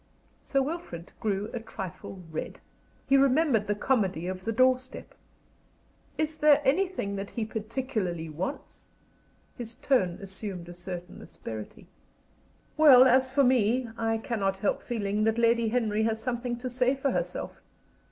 Sir Wilfrid grew a trifle red. He remembered the comedy of the door step. "Is there anything that he particularly wants?" His tone assumed a certain asperity. "Well, as for me, I cannot help feeling that Lady Henry has something to say for herself.